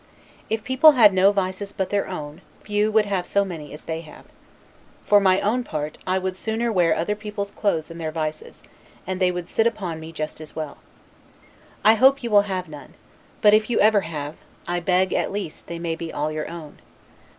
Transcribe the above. If people had no vices but their own, few would have so many as they have. For my own part, I would sooner wear other people's clothes than their vices; and they would sit upon me just as well. I hope you will have none; but if ever you have, I beg, at least, they may be all your own.